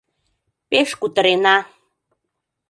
— Пеш кутырена!